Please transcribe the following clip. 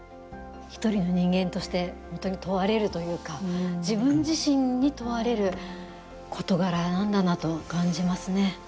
一人の人間として本当に問われるというか自分自身に問われる事柄なんだなと感じますね。